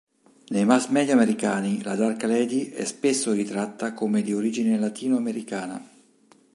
Nei mass media americani, la dark lady è spesso ritratta come di origine latinoamericana.